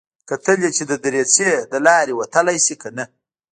کتل يې چې د دريڅې له لارې وتلی شي که نه.